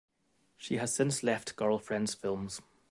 She has since left Girlfriends Films.